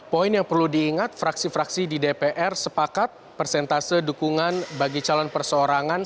poin yang perlu diingat fraksi fraksi di dpr sepakat persentase dukungan bagi calon perseorangan